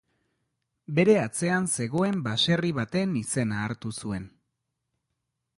Bere atzean zegoen baserri baten izena hartu zuen.